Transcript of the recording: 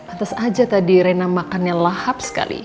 antas aja tadi rena makannya lahap sekali